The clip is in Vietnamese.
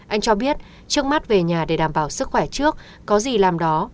anh cho biết trước mắt về nhà để đảm bảo sức khỏe trước có gì làm đó